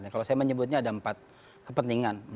kalau saya menyebutnya ada empat kepentingan